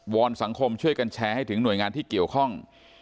อนสังคมช่วยกันแชร์ให้ถึงหน่วยงานที่เกี่ยวข้อง